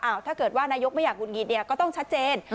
ถ้าเกิดว่านายกไม่อยากหุดหงิดเนี่ยก็ต้องชัดเจน